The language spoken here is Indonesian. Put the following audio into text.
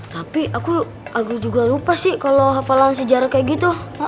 tapi aku juga lupa sih kalau hafal sejarah kayak gitu